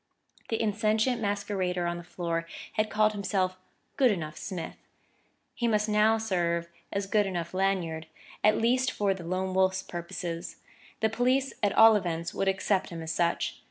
The insentient masquerader on the floor had called himself "good enough Smith"; he must serve now as good enough Lanyard, at least for the Lone Wolf's purposes; the police at all events would accept him as such.